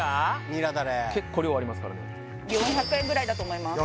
ニラだれ結構量ありますからね４００円ぐらいだと思います